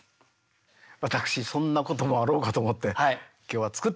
私そんなこともあろうかと思って今日は作ってまいりました。